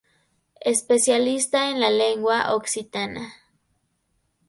Especialista en la lengua occitana.